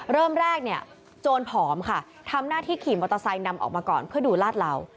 เริ่มแรกเนี่ยโจรผอมค่ะทำหน้าที่ขี่มอเตอร์ไซค์นำออกมาก่อนเพื่อดูลาดเหล่า